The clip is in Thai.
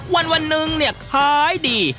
วันนึงเนี่ยคล้ายดี